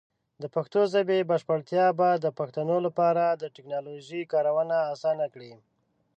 د پښتو ژبې بشپړتیا به د پښتنو لپاره د ټیکنالوجۍ کارونه اسان کړي.